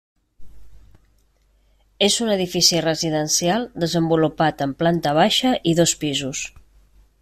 És un edifici residencial desenvolupat en planta baixa i dos pisos.